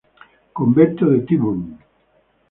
Convento de Tyburn